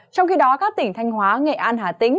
trong khi đó các tỉnh thanh hóa nghệ an hà tĩnh